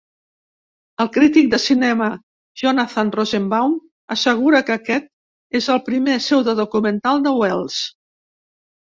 El crític de cinema Jonathan Rosenbaum assegura que aquest és el primer pseudodocumental de Welles.